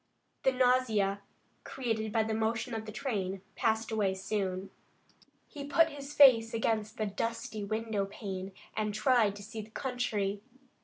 The nausea created by the motion of the train passed away soon. He put his face against the dusty window pane and tried to see the country.